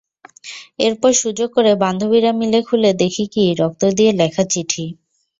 এরপর সুযোগ করে বান্ধবীরা মিলে খুলে দেখি কি, রক্ত দিয়ে লেখা চিঠি।